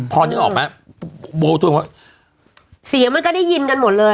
พอนึกออกมาบูทูธของรถเสียงมันก็ได้ยินกันหมดเลย